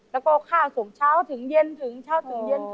แล้วก็ข้าวส่งเช้าถึงเย็นถึงเช้าถึงเย็น